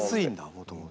もともと。